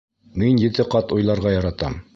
Мин ете ҡат уйларға яратам!